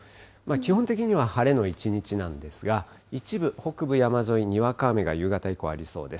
基本的には晴れの一日なんですが、一部、北部山沿い、にわか雨が夕方以降、ありそうです。